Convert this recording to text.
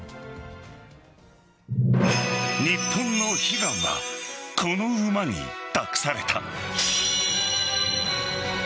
日本の悲願はこの馬に託された。